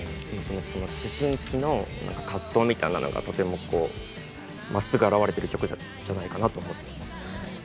思春期の葛藤みたいなのが真っすぐあらわれてる曲なんじゃないかなと思ってます。